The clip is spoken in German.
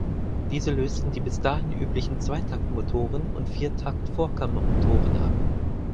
Diese lösten die bis dahin üblichen Zweitaktmotoren und Viertakt-Vorkammermotoren ab.